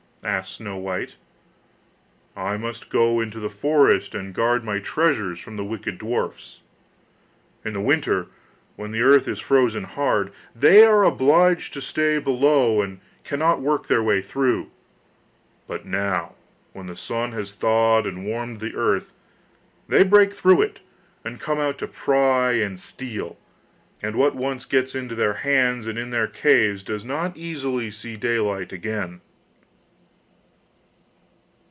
asked Snow white. 'I must go into the forest and guard my treasures from the wicked dwarfs. In the winter, when the earth is frozen hard, they are obliged to stay below and cannot work their way through; but now, when the sun has thawed and warmed the earth, they break through it, and come out to pry and steal; and what once gets into their hands, and in their caves, does not easily see daylight again.